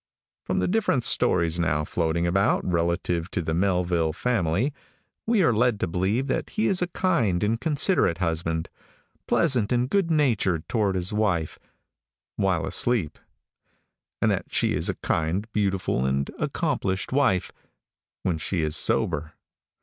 From the different stories now floating about relative to the Melville family, we are led to believe that he is a kind and considerate husband, pleasant and good natured toward his wife while asleep; and that she is a kind, beautiful and accomplished wife when she is sober.